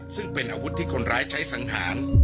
ซึ่งเป็นอาวุธที่คนร้ายใช้สังหาร